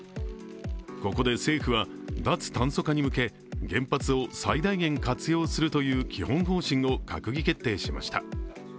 ここで政府は、脱炭素化に向け原発を最大限活用するという基本方針を閣議決定しました。